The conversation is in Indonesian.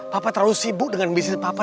papa terlalu sibuk dengan bisnis papa